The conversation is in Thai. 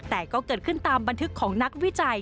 แต่ก็เกิดขึ้นตามบันทึกของนักวิจัย